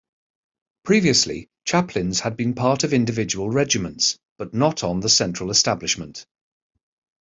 Previously chaplains had been part of individual regiments, but not on the central establishment.